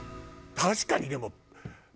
確かにでも。